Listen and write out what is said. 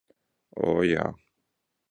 O, jā.